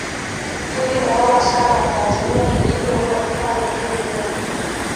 Hili naomba sana Watanzania tujipe muda tufanye uchumi wetu